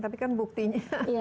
tapi kan buktinya